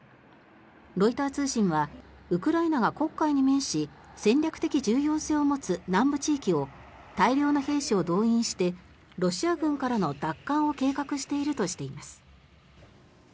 ロイター通信はウクライナが黒海に面し戦略的重要性を持つ南部地域を大量の兵士を動員してロシア軍からの奪還を計画しているとしています。